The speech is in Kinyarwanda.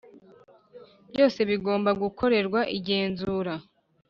byose bigomba gukorerwa igenzura